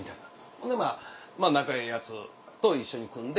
ほんで仲ええヤツと一緒に組んで。